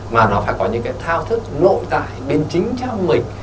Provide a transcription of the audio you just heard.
mà nó phải có những cái thao thức nội tại bên chính trong mình